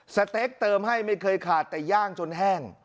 สเต็กเติมให้ไม่เคยขาดแต่ย่างจนแห้ง